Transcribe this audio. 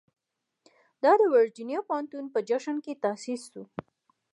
دا د ورجینیا پوهنتون په جشن کې تاسیس شو.